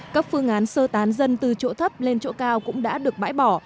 các phương án sơ tán dân từ chỗ thấp lên chỗ cao cũng đã được bãi bỏ